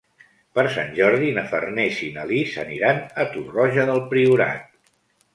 Per Sant Jordi na Farners i na Lis aniran a Torroja del Priorat.